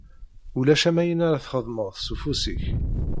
Ulac am ayen ara txedmeḍ s ufus-ik.